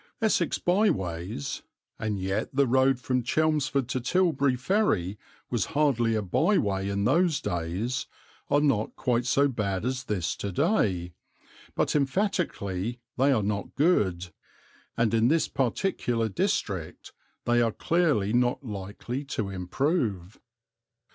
Essex byways and yet the road from Chelmsford to Tilbury ferry was hardly a byway in those days are not quite so bad as this to day, but emphatically they are not good, and in this particular district they are clearly not likely to improve.